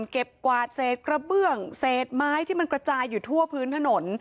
กวาดเศษกระเบื้องเศษไม้ที่มันกระจายอยู่ทั่วพื้นถนน